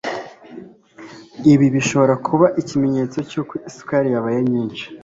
ibi bishobora kuba ikimenyetso cy'uko isukari yabaye nyinshi